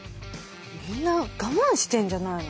みんな我慢してんじゃないの？